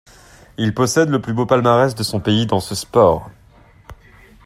Il possède le plus beau palmarès de son pays dans ce sport.